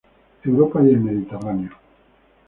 Europa y el Mediterráneo.